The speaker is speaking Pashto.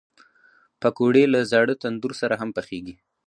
پکورې له زاړه تندور سره هم پخېږي